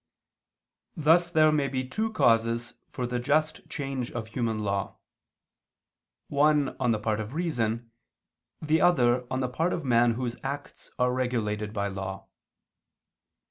Thus there may be two causes for the just change of human law: one on the part of reason; the other on the part of man whose acts are regulated by law.